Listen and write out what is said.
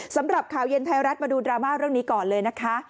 สำหรับข่าวเย็นไทยรัฐมาดูดราม่าเรื่องนี้ก่อนเลยนะคะ